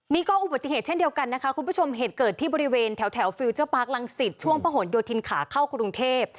นี่ก็อุบัติเหตุเช่นเดียวกันนะคะคุณผู้ชมเหตุเกิดที่บริเวณแถวฟิลเจอร์ปาร์คลังศิษย์ช่วงพระหลโยธินขาเข้ากรุงเทพ